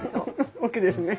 おっきいですね。